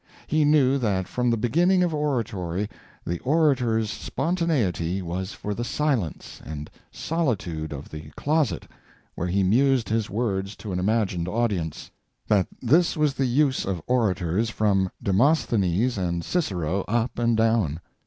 He knew that from the beginning of oratory the orator's spontaneity was for the silence and solitude of the closet where he mused his words to an imagined audience; that this was the use of orators from Demosthenes and Cicero up and down.